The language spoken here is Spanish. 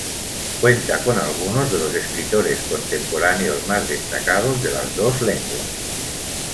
Cuenta con algunos de los escritores contemporáneos más destacados de las dos lenguas.